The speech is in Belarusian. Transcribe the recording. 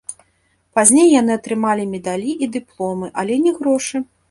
Пазней яны атрымалі медалі і дыпломы, але не грошы.